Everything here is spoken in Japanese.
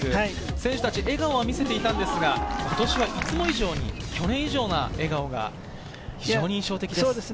選手達、笑顔を見せていたんですが、今年はいつも以上に去年以上の笑顔が非常に印象的です。